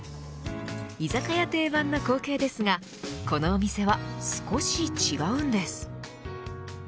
居酒屋定番の光景ですがこのお店は少し違うんです。